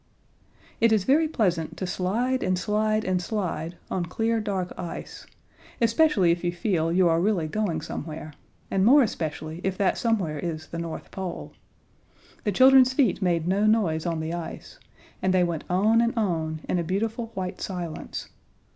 It is very pleasant to slide and slide and slide on clear, dark ice especially if you feel you are really going somewhere, and more especially if that somewhere is the North Pole. The children's feet made no noise on the ice, and they went on and on in a beautiful white silence.